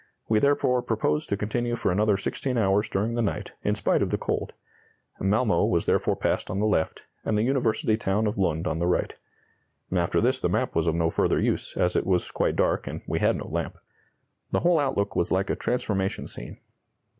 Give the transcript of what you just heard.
We therefore proposed to continue for another sixteen hours during the night, in spite of the cold.... Malmö was therefore passed on the left, and the university town of Lund on the right. After this the map was of no further use, as it was quite dark and we had no lamp. The whole outlook was like a transformation scene.